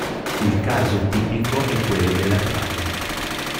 Il caso tipico è quello della trave.